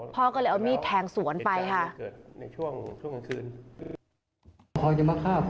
พ่อก็เลยเอามีดแทงสวนไปค่ะ